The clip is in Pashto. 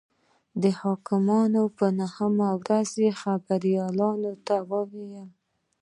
د حکمرانۍ په نهمه ورځ یې خبریالانو ته وویل.